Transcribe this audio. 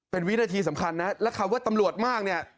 เป็นวินาทีสำคัญนะแล้วคำว่าตำรวจมากเนี่ย